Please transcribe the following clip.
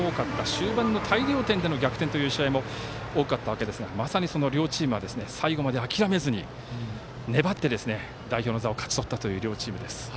終盤の大量点での逆転という試合も多かったわけですがまさに両チームは最後まで諦めずに粘って代表の座を勝ち取ったという両チームです。